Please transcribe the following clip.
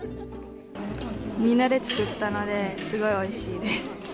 みんなで作ったので、すごいおいしいです。